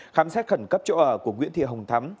khám xét khẩn cấp chỗ ở của nguyễn thị hồng thắm